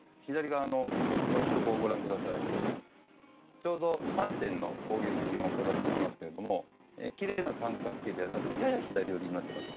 ちょうど３点の工芸品を飾っておりますけれどもきれいな三角形ではなくやや左寄りになってますね。